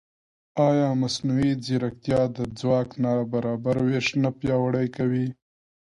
ایا مصنوعي ځیرکتیا د ځواک نابرابر وېش نه پیاوړی کوي؟